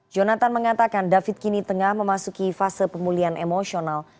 jonathan mengatakan david kini tengah memasuki fase pemulihan emosional